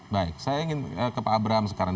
baik saya ingin ke pak abraham sekarang